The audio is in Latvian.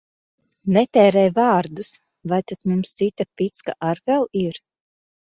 Netērē vārdus! Vai tad mums cita picka ar vēl ir?